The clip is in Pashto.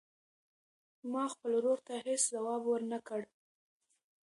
ما خپل ورور ته هېڅ ځواب ورنه کړ.